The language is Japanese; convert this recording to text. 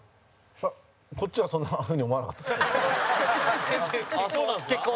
こっちはそんな風に思わなかったです。